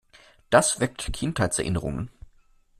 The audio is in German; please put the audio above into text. Das weckt Kinderheitserinnerungen.